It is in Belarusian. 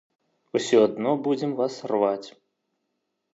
Усё адно будзем вас рваць!